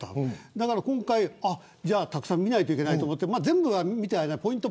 だから今回はたくさん見ないといけないと思って全部は見てはいないポイント